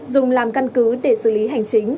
dùng làm căn cứ để xử lý hành chính